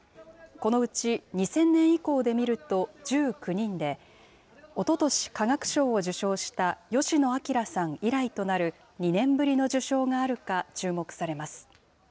このうち２０００年以降で見ると１９人で、おととし、化学賞を受賞した吉野彰さん以来となる、２年ぶりの受賞があるか、注目されます。